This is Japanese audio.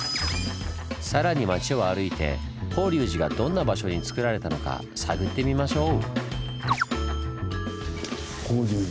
更に町を歩いて法隆寺がどんな場所につくられたのか探ってみましょう！